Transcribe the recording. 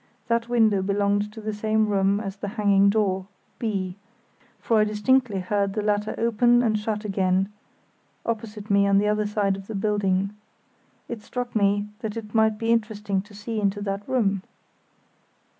That window belonged to the same room as the banging door (B); for I distinctly heard the latter open and shut again, opposite me on the other side of the building. It struck me that it might be interesting to see into that room.